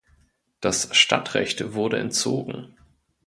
Das Stadtrecht wurde entzogen.